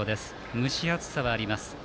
蒸し暑さがあります。